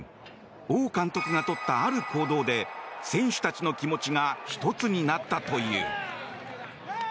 王監督がとった、ある行動で選手たちの気持ちが１つになったという。